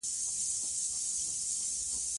موږ پخوا په دې اړه نه پوهېدو.